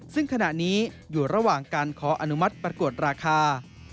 ซึ่งขณะนี้อยู่ระหว่างการขออนุมัติประกวดราคา